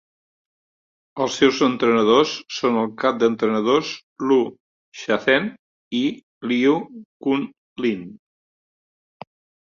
Els seus entrenadors són el cap d'entrenadors Lu Shanzhen i Liu Qun Lin.